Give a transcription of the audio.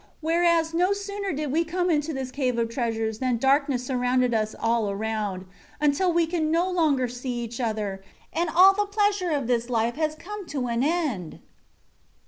11 Whereas no sooner did we come into this Cave of Treasures than darkness surrounded us all around; until we can no longer see each other; and all the pleasure of this life has come to an end."